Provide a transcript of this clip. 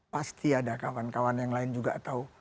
pasti ada kawan kawan yang lain juga tahu